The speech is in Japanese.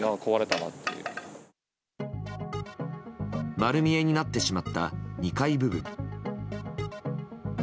丸見えになってしまった２階部分。